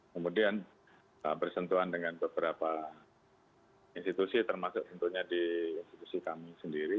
kemudian bersentuhan dengan beberapa institusi termasuk tentunya di institusi kami sendiri